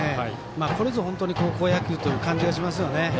これぞ本当に高校野球という感じがしますよね。